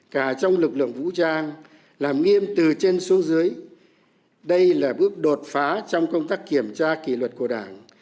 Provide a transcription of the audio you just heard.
cả trong lực lượng vũ trang làm nghiêm từ trên xuống dưới đây là bước đột phá trong công tác kiểm tra kỷ luật của đảng